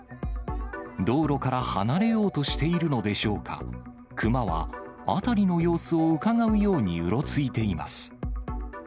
道路から離れようとしているのでしょうか、熊は辺りの様子をうかがうようにうろついています。